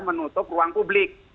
menutup ruang publik